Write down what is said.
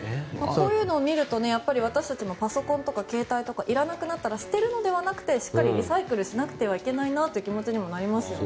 こういうのを見ると私たちもパソコンとか携帯とかいらなくなったら捨てるのではなくてしっかりリサイクルしなくてはいけないなという気持ちにもなりますよね。